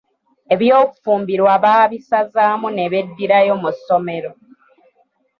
Eby'okufumbirwa baabisazamu ne beddirayo mu ssomero.